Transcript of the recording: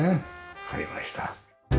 わかりました。